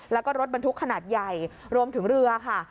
แล้วก็รถบรรทุกขนาดใหญ่รวมถึงเรือค่ะ